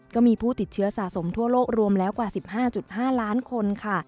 ก็มีผู้ติดเชื้อสะสมทั่วโลกรวมแล้วกว่า๑๕๕ล้านคนค่ะ